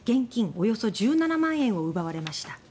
およそ１７万円を奪われました。